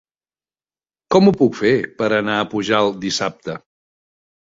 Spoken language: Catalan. Com ho puc fer per anar a Pujalt dissabte?